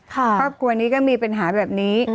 ครอบครัวนี้ก็มีปัญหาแบบนี้